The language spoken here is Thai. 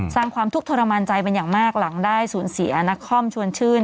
ความทุกข์ทรมานใจเป็นอย่างมากหลังได้สูญเสียนักคอมชวนชื่น